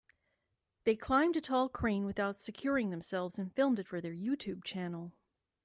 They climbed a tall crane without securing themselves and filmed it for their YouTube channel.